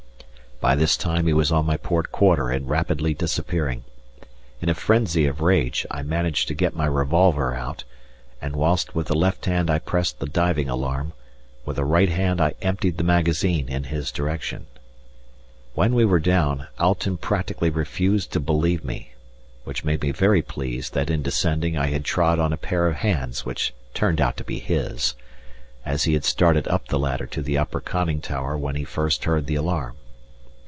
By this time he was on my port quarter and rapidly disappearing; in a frenzy of rage I managed to get my revolver out, and whilst with the left hand I pressed the diving alarm, with the right hand I emptied the magazine in his direction. When we were down, Alten practically refused to believe me, which made me very pleased that in descending I had trod on a pair of hands which turned out to be his, as he had started up the ladder to the upper conning tower when he first heard the alarm.